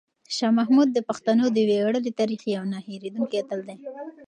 شاه محمود د پښتنو د ویاړلي تاریخ یو نه هېرېدونکی اتل دی.